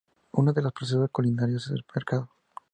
Una de los procesos culinarios es el de marcado.